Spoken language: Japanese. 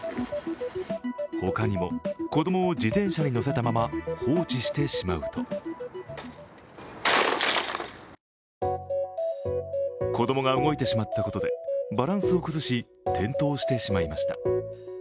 ほかにも、子供を自転車に乗せたまま放置してしまうと子供が動いてしまったことで、バランスを崩し、転倒してしまいました。